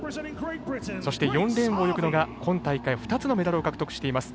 そして４レーンを泳ぐのが今大会２つのメダルを獲得しています